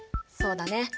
そうだね。